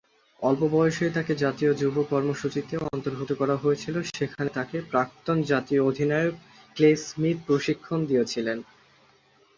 অল্প বয়সেই তাকে জাতীয় যুব কর্মসূচিতে অন্তর্ভুক্ত করা হয়েছিল, যেখানে তাকে প্রাক্তন জাতীয় অধিনায়ক ক্লে স্মিথ প্রশিক্ষণ দিয়েছিলেন।